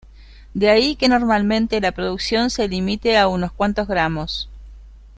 De ahí que normalmente la producción se limite a unos cuantos gramos.